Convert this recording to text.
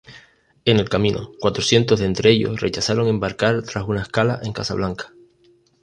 En el camino, cuatrocientos de entre ellos rechazaron embarcar tras una escala en Casablanca.